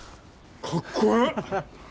かっこええ。